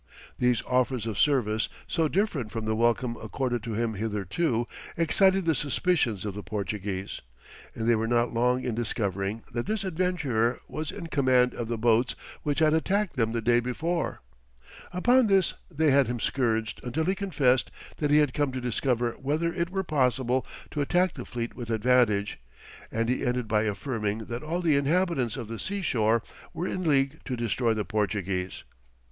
These offers of service, so different from the welcome accorded to them hitherto, excited the suspicions of the Portuguese, and they were not long in discovering that this adventurer was in command of the boats which had attacked them the day before. Upon this they had him scourged until he confessed that he had come to discover whether it were possible to attack the fleet with advantage, and he ended by affirming that all the inhabitants of the sea shore were in league to destroy the Portuguese.